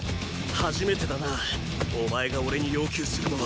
初めてだなお前が俺に要求するのは。